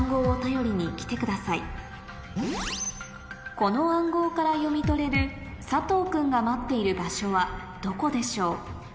この暗号から読み取れる佐藤君が待っている場所はどこでしょう？